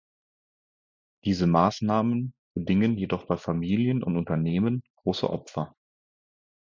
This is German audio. Diese Maßnahmen bedingen jedoch bei Familien und Unternehmen große Opfer.